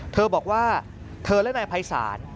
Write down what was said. เธอบอกว่าเธอและนายภัยศาล